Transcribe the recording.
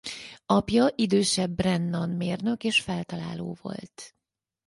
Apja idősebb Brennan mérnök és feltaláló volt.